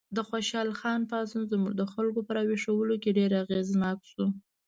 د خوشحال خان پاڅون زموږ د خلکو په راویښولو کې ډېر اغېزناک شو.